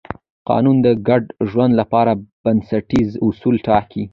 قانون د ګډ ژوند لپاره بنسټیز اصول ټاکي.